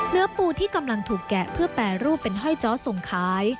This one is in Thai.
เนื้อปูที่กำลังถูกแกะเพื่อแปรรูปเป็นห้อยจ้อส่งขาย